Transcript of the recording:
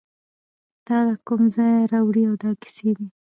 تاله کوم ځایه راوړي دا کیسې دي